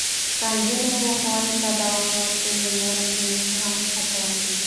که نجونې ښوونې ته دوام ورکړي، نو نورې نجونې هم هڅول کېږي.